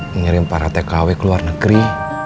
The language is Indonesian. mengirim para tkw ke luar negeri